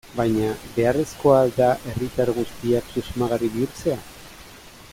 Baina, beharrezkoa al da herritar guztiak susmagarri bihurtzea?